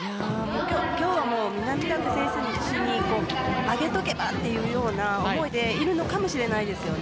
今日は南舘選手に上げとけばというような思いでいるのかもしれないですよね。